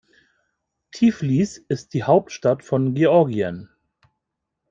Tiflis ist die Hauptstadt von Georgien.